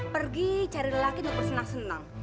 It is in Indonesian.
pergi cari lelaki untuk bersenang senang